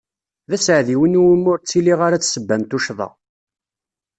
D aseɛdi win iwumi ur ttiliɣ ara d ssebba n tuccḍa.